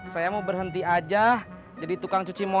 saya mau kembali ke pangkalan